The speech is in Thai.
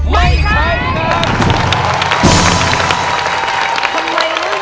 ไม่ใช้ครับ